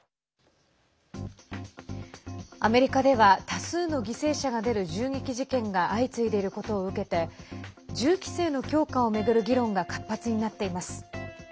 アメリカでは多数の犠牲者が出る銃撃事件が相次いでいることを受けて銃規制の強化を巡る議論が活発になっています。